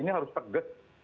ini harus tegas